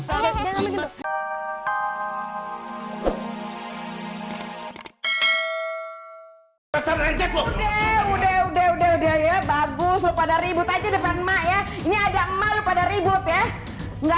udah udah udah udah ya bagus pada ribut aja depan maya ini ada malu pada ribut ya enggak